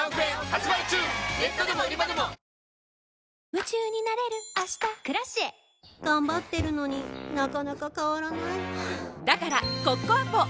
夢中になれる明日「Ｋｒａｃｉｅ」頑張ってるのになかなか変わらないはぁだからコッコアポ！